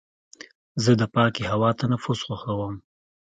زه د پاکې هوا تنفس خوښوم.